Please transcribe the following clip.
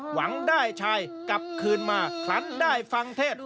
หวังได้ชายกลับคืนมาคลันได้ฟังเทศ